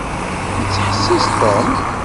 Yettḥessis Tom.